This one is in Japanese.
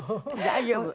大丈夫。